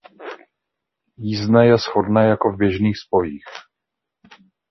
Jízdné je shodné jako v běžných spojích.